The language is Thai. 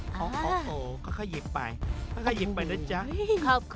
โอ้โหก็ค่อยหยิบไปไปนะจ้ะโอ้คุณค่า